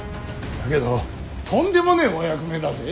だけどとんでもねえお役目だぜ。